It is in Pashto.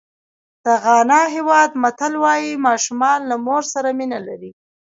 د غانا هېواد متل وایي ماشومان له مور سره مینه لري.